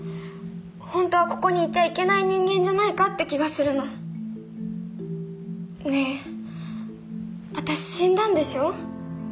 ほんとはここにいちゃいけない人間じゃないかって気がするの。ねあたし死んだんでしょ？